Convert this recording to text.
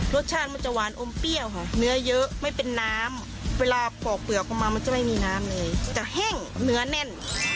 รสชาติมันจะหวานอมเปรี้ยวค่ะเนื้อเยอะไม่เป็นน้ำเวลาปอกเปลือกออกมามันจะไม่มีน้ำเลยจะแห้งเนื้อแน่น